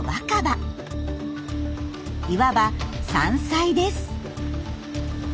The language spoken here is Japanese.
いわば山菜です。